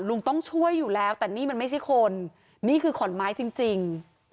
ลุงต้องช่วยอยู่แล้วแต่นี่มันไม่ใช่คนนี่คือขอนไม้จริง